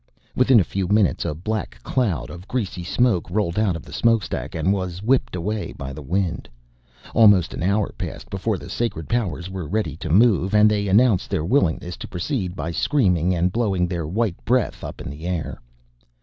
Within a few minutes a black cloud of greasy smoke rolled out of the smokestack and was whipped away by the wind. Almost an hour passed before the sacred powers were ready to move, and they announced their willingness to proceed by screaming and blowing their white breath up in the air.